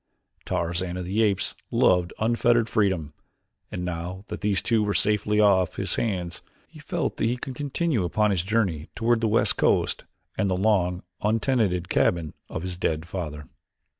Tarzan of the Apes loved unfettered freedom, and now that these two were safely off his hands, he felt that he could continue upon his journey toward the west coast and the long untenanted cabin of his dead father.